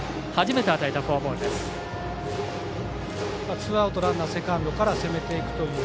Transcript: ツーアウト、ランナーセカンドから攻めていくと。